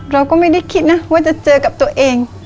เราก็ไม่ได้คิดนะว่าจะเจอกับตัวเอง